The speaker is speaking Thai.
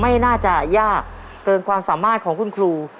ไม่น่าจะยากเกินความสามารถของคุณครู